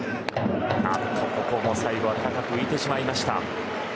ここも最後は高く浮いてしまった。